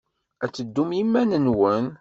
Ad teddum i yiman-nwen.